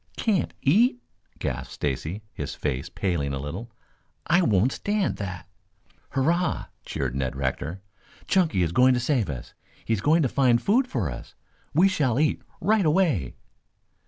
"Can't eat?" gasped Stacy, his face paling a little. "I won't stand that." "Hurrah!" cheered Ned Rector. "Chunky is going to save us! He's going to find food for us. We shall eat right away!"